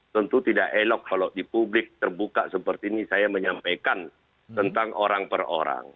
tentu tidak elok kalau di publik terbuka seperti ini saya menyampaikan tentang orang per orang